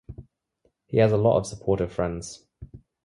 He has a lot of supportive friends.